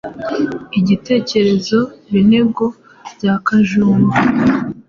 Igitekerezo Binego bya Kajumba